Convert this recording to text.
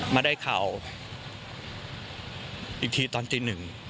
มาได้ข่าวอีกทีตอนตีหนึ่ง